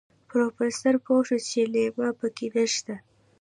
پروفيسر پوه شو چې ليلما پکې نشته.